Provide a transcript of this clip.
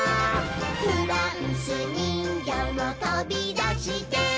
「フランスにんぎょうもとびだして」